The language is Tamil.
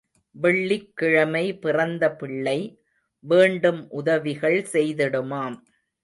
வெள்ளிக் கிழமை பிறந்த பிள்ளை வேண்டும் உதவிகள் செய்திடுமாம்.